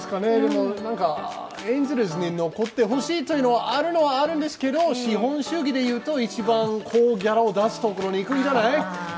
エンゼルスに残ってほしいというのはあるにはあるんですけど資本主義でいうと一番高ギャラを出すとこに行くんじゃない？